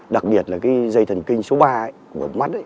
đặc biệt là cái dây thần kinh số ba